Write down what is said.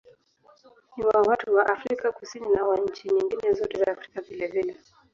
Ni wa watu wa Afrika Kusini na wa nchi nyingine zote za Afrika vilevile.